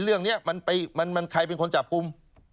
เรื่องนี้มันใครเป็นคนจับกลุ่ม